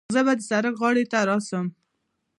زه به د سړک غاړې ته راسم.